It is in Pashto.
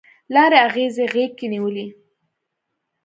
لارې اغزي غیږ کې نیولي